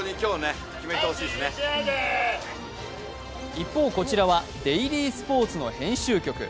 一方、こちらは「デイリースポーツ」の編集局。